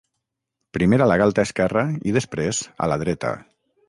Primer a la galta esquerra i després a la dreta.